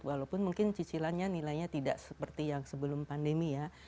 walaupun mungkin cicilannya nilainya tidak seperti yang sebelum pandemi ya